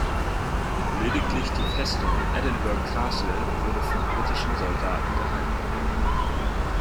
Lediglich die Festung Edinburgh Castle wurde von britischen Soldaten gehalten.